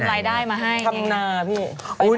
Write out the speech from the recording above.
ทำนาพี่